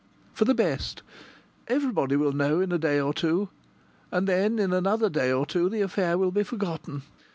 " for the best. Everybody will know in a day or two, and then in another day or two the affair will be forgotten.